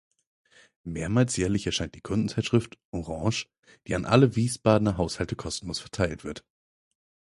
Mehrmals jährlich erscheint die Kundenzeitschrift "orange", die an alle Wiesbadener Haushalte kostenlos verteilt wird.